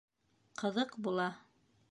Ҡыҙыҡ була.